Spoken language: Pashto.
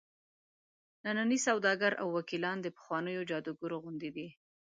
ننني سوداګر او وکیلان د پخوانیو جادوګرو غوندې دي.